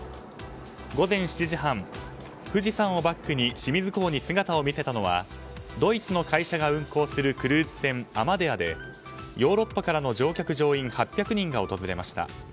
午前７時半、富士山をバックに清水港に姿を見せたのはドイツの会社が運航するクルーズ船「アマデア」でヨーロッパからの乗客・乗員８００人が訪れました。